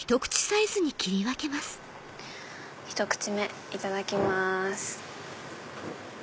１口目いただきます。